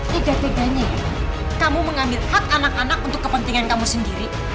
beda bedanya kamu mengambil hak anak anak untuk kepentingan kamu sendiri